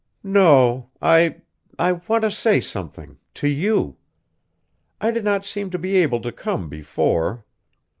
"No: I I want to say something to you! I did not seem to be able to come before."